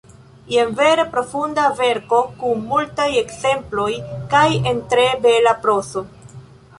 Jen vere profunda verko kun multaj ekzemploj kaj en tre bela prozo.